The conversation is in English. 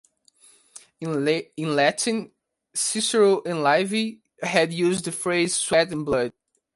In Latin, Cicero and Livy had used the phrase "sweat and blood".